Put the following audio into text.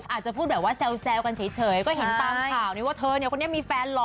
อาจจะพูดแบบว่าแซวกันเฉยก็เห็นตามข่าวนี้ว่าเธอเนี่ยคนนี้มีแฟนหล่อ